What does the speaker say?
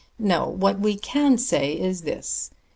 No; what we can say is this.